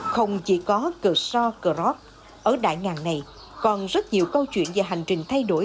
không chỉ có kershaw cross ở đại ngàng này còn rất nhiều câu chuyện về hành trình thay đổi